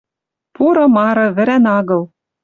«Пуры Мары, вӹрӓн агыл